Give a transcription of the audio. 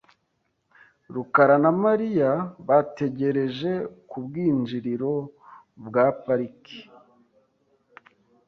rukara na Mariya bategereje ku bwinjiriro bwa parike .